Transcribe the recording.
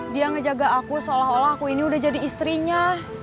dia ngejaga aku seolah olah aku ini udah jadi istrinya